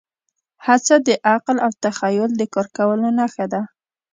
هڅه د عقل او تخیل د کار کولو نښه ده.